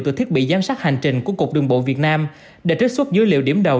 từ thiết bị giám sát hành trình của cục đường bộ việt nam để trích xuất dữ liệu điểm đầu